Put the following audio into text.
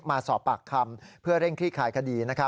มาสอบปากคำเพื่อเร่งคลี่คลายคดี